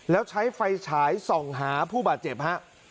แล้วใช้ไฟฉายส่องหาผู้บาดเจ็บฮะ